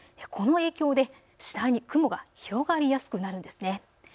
この影響で次第に雲が広がりやすくなるんですね。